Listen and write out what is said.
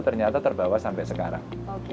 ternyata terbawa sampai sekarang